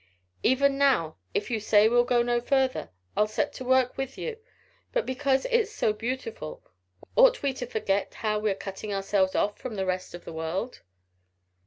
Even now if you say we'll go no further, I'll set to work with you; but because it's so beautiful ought we to forget how we're cutting ourselves off from the rest of the world?"